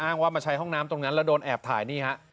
ว่ามาใช้ห้องน้ำตรงนั้นแล้วโดนแอบถ่ายนี่ฮะ